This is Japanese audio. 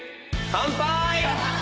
乾杯！